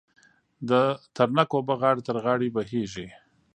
د ترنګ اوبه غاړه تر غاړې بهېږي.